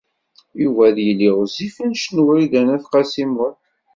Yuba ad yili ɣezzif anect n Wrida n At Qasi Muḥ.